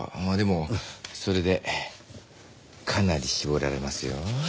まあでもそれでかなり絞られますよ。